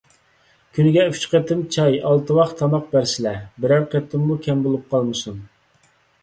كۈنىگە ئۈچ قېتىم چاي، ئالتە ۋاخ تاماق بەرسىلە، بىرەر قېتىممۇ كەم بولۇپ قالمىسۇن.